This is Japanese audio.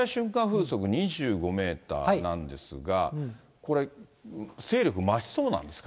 風速２５メーターなんですが、これ、勢力増しそうなんですか。